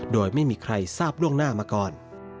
โดยไม่มีใครทราบล่วงหน้ามาก่อน